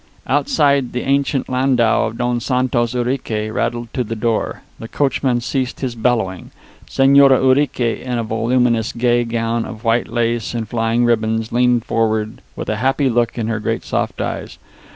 Outside, the ancient landau of Don Santos Urique rattled to the door. The coachman ceased his bellowing. Señora Urique, in a voluminous gay gown of white lace and flying ribbons, leaned forward with a happy look in her great soft eyes.